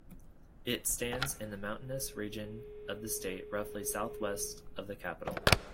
It stands in the mountainous region of the state, roughly southwest of the capital.